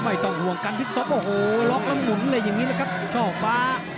ไม่ต้องอ่วงกันฟิศสอปโอ้โหล็อกล้างหมุนอะไรอย่างนี้นะครับช่องฟ้า